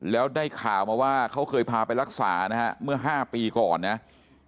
แล้วได้ข่าวมาว่าเขาเคยพาไปรักษานะฮะเมื่อ๕ปีก่อนนะ